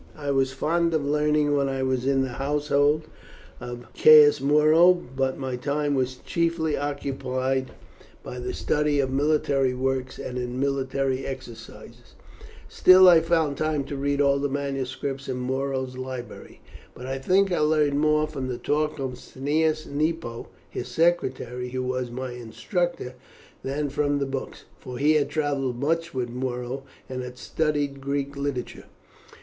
"I was fond of learning when I was in the household of Caius Muro, but my time was chiefly occupied by the study of military works and in military exercises; still I found time to read all the manuscripts in Muro's library. But I think I learned more from the talk of Cneius Nepo, his secretary, who was my instructor, than from the books, for he had travelled much with Muro, and had studied Greek literature."